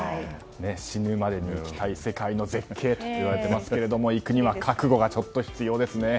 死ぬまでに行きたい世界の絶景といわれていますけれども行くには覚悟が必要ですね。